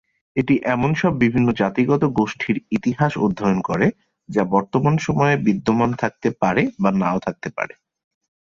এটি এমন সব বিভিন্ন জাতিগত গোষ্ঠীর ইতিহাস অধ্যয়ন করে যা বর্তমান সময়ে বিদ্যমান থাকতে পারে বা নাও থাকতে পারে।